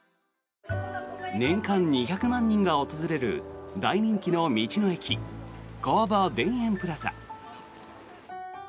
年間２００万人が訪れる大人気の道の駅川場田園プラザ。